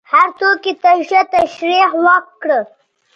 هر توکي ته ښه تشریح وکړه.